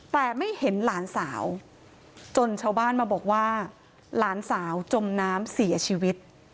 แต่ไม่เห็นหลานสาวจนชาวบ้านมาบอกว่าหลานสาวจมน้ำเสียชีวิต